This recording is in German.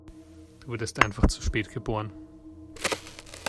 Du wurdest einfach zu spät geboren.